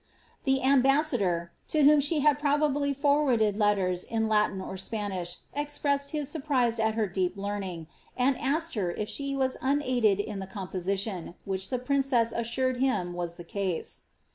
The ambassador, to whom she had probably forwarded letters in Latin or Spanish, expressed his surprise at her deep leamiof, and asked her if she was unaided in the composition, which the princeai assured him was the case.